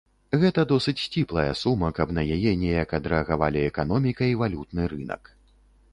Гэта досыць сціплая сума, каб на яе неяк адрэагавалі эканоміка і валютны рынак.